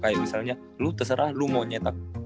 kayak misalnya lu terserah lu mau nyetak